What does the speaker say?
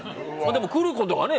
でも、来ることがね。